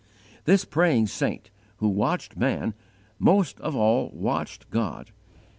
This praying saint, who watched man, most of all watched God.